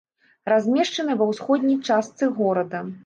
Размешчаны ва ўсходняй частцы горада.